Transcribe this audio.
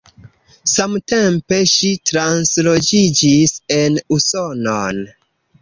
Samtempe ŝi transloĝiĝis en Usonon.